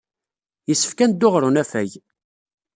Yessefk ad neddu ɣer unafag.